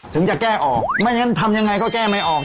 ถึงจะแก้ออกไม่งั้นทำยังไงก็แก้ไม่ออก